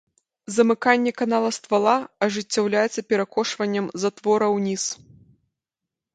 Замыканне канала ствала ажыццяўляецца перакошваннем затвора ўніз.